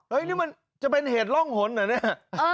นี่มันจะเป็นเหตุร่องหนเหรอเนี่ย